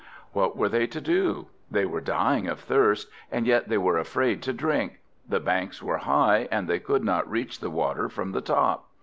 What were they to do? They were dying of thirst, and yet they were afraid to drink; the banks were high, and they could not reach the water from the top.